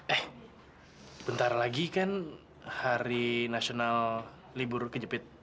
eh bentar lagi kan hari nasional libur kejepit